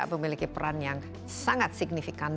memiliki peran yang sangat signifikan